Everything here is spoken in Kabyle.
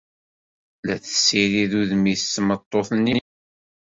La tessirid udem-is tmeṭṭut-nni.